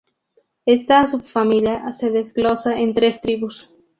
Esta subfamilia se desglosa en tres tribus.